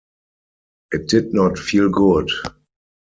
It did not feel good.